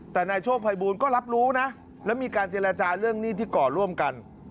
แต่นายโชคภัยบูลก็รับรู้นะแล้วมีการเจรจาเรื่องหนี้ที่ก่อร่วมกัน